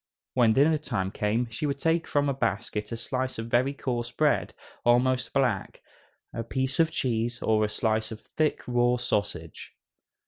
When dinner time came, she would take from a basket a slice of very coarse bread, almost black, a piece of cheese, or a slice of thick, raw sausage.